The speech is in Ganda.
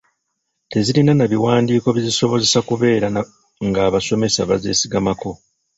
Tezirina na biwandiiko bizisobozesa kubeera ng’abasomesa bazeesigamako.